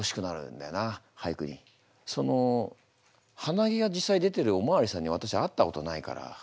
そのはなげが実際出てるお巡りさんにわたしは会ったことないから。